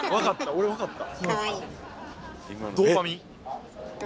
俺分かった。